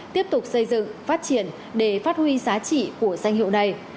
tiếp tục xây dựng phát triển để phát huy giá trị của danh hiệu này